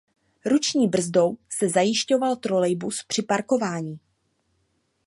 Ruční brzdou se zajišťoval trolejbus při parkování.